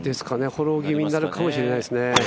フォロー気味になるかなと思いますね。